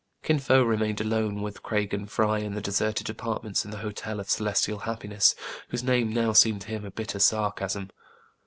Kin Fo remained alone with Craig and Fry in the deserted apartments in the Hotel of Celestial Hap piness, whose name now seemed to him a bitter sarcasm.